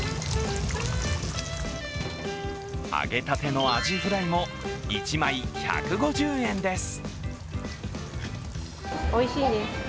揚げたてのアジフライも１枚１５０円です。